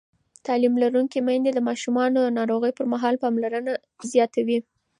تعلیم لرونکې میندې د ماشومانو د ناروغۍ پر مهال پاملرنه زیاتوي.